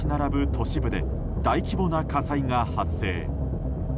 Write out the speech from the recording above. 都市部で大規模な火災が発生。